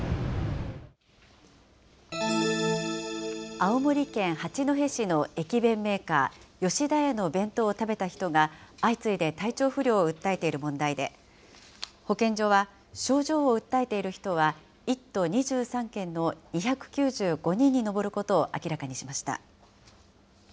青森県八戸市の駅弁メーカー、吉田屋の弁当を食べた人が、相次いで体調不良を訴えている問題で、保健所は、症状を訴えている人は１都２３県の２９５人に上ることを明らかにしました。